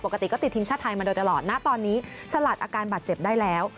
ปกติก็ติดทีมชาติไทยมาโดยตลอดณตอนนี้สลัดอาการบาดเจ็บได้แล้ว